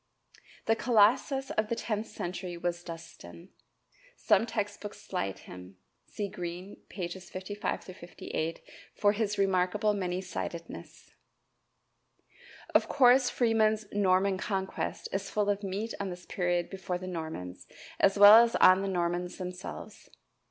The colossus of the tenth century was Dunstan. Some text books slight him. See Green, pp. 55 58 for his remarkable many sidedness. Of course Freeman's "Norman Conquest" is full of meat on this period before the Normans, as well as on the Normans themselves.